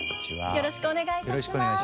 よろしくお願いします。